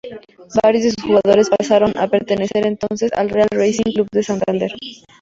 Varios de sus jugadores pasaron a pertenecer entonces al Real Racing Club de Santander.